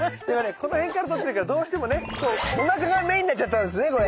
この辺から撮ってるからどうしてもねおなかがメインになっちゃったんですねこれ。